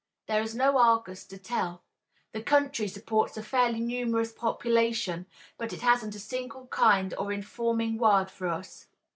There is no Argus to tell. The country supports a fairly numerous population, but it hasn't a single kind or informing word for us.